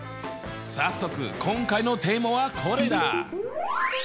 早速今回のテーマはこれだ！